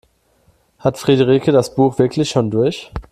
Hat Friederike das Buch wirklich schon durch?